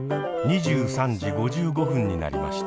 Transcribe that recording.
２３時５５分になりました。